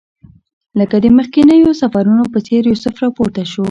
لکه د مخکنیو سفرونو په څېر یوسف راپورته شو.